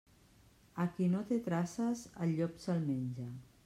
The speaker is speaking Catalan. A qui no té traces, el llop se'l menja.